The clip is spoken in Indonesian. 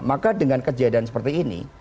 maka dengan kejadian seperti ini